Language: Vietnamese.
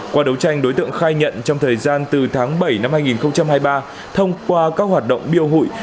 qua đấu tranh đối tượng khai nhận trong thời gian từ tháng bảy năm hai nghìn hai mươi ba thông qua các hoạt động biêu hụi